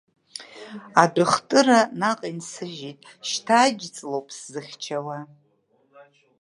Адәыхтыра наҟ инсыжьит, шьҭа аџьҵлоуп сзыхьчауа.